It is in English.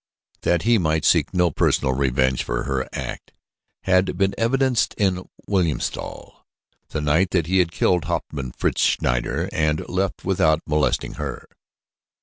That he might seek no personal revenge for her act had been evidenced in Wilhelmstal the night that he had killed Hauptmann Fritz Schneider and left without molesting her.